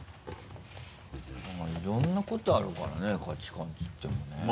いろんなことあるからね価値観って言ってもね。